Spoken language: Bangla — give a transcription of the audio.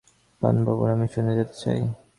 পানুবাবুর যা-কিছু বলবার আছে সব আমি শুনে যেতে চাই।